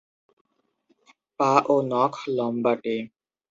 পা ও নখ লম্বাটে।